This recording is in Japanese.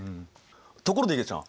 ところでいげちゃん。